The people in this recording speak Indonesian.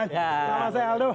nah mas eduto